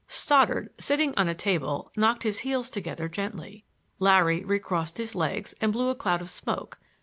Stoddard, sitting on a table, knocked his heels together gently. Larry recrossed his legs and blew a cloud of smoke.